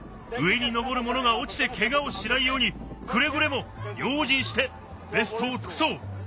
上にのぼるものがおちてケガをしないようにくれぐれもようじんしてベストをつくそう。